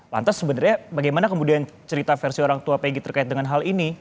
lantas sebenarnya bagaimana kemudian cerita versi orang tua pegi terkait dengan hal ini